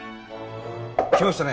来ましたね